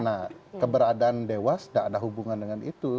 nah keberadaan dewas tidak ada hubungan dengan itu